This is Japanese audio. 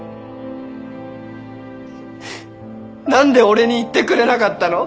何で俺に言ってくれなかったの？